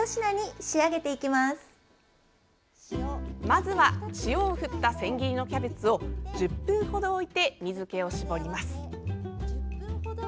まずは塩を振った千切りのキャベツを１０分ほど置いて水けを絞ります。